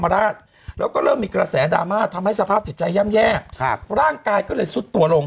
แล้วแสนดราม่าทำให้สภาพติดใจย่อมแยกค่ะร่างกายก็เลยซุดตัวลง